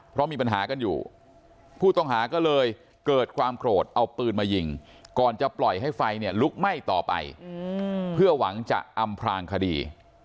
เพราะมีปัญหากันอยู่ผู้ต้องหาก็เลยเกิดความโกรธเอาปืนมายิงก่อนจะปล่อยให้ไฟเนี่ยลุกไหม้ต่อไปเพื่อหวังจะอำพลางคดี